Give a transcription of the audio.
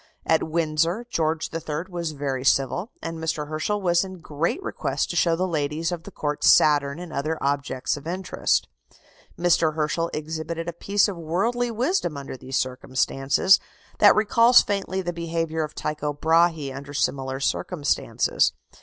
At Windsor, George III. was very civil, and Mr. Herschel was in great request to show the ladies of the Court Saturn and other objects of interest. Mr. Herschel exhibited a piece of worldly wisdom under these circumstances, that recalls faintly the behaviour of Tycho Brahé under similar circumstances.